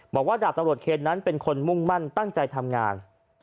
ดาบตำรวจเคนนั้นเป็นคนมุ่งมั่นตั้งใจทำงาน